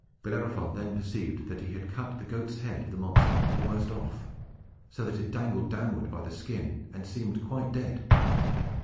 Bellerophon then perceived that he had cut the goat's head of the monster almost off, so that it dangled downward by the skin, and seemed quite dead.